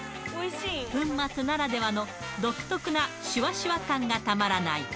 粉末ならではの独特なしゅわしゅわ感がたまらない。